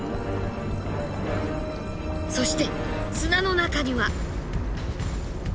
そして砂の中には。